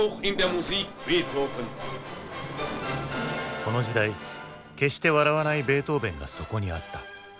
この時代決して笑わないベートーヴェンがそこにあった。